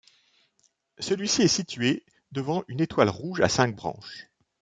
Celui-ci est situé devant une étoile rouge à cinq branches.